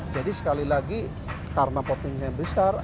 jadi sekali lagi karena potensi yang besar